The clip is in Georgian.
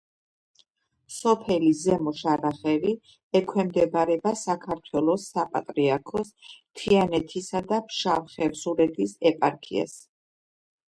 სოფელი ზემო შარახევი ექვემდებარება საქართველოს საპატრიარქოს თიანეთისა და ფშავ-ხევსურეთის ეპარქიას.